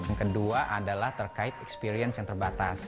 yang kedua adalah terkait experience yang terbatas